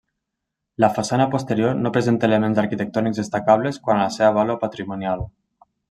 La façana posterior no presenta elements arquitectònics destacables quant a la seva vàlua patrimonial.